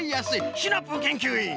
シナプーけんきゅういん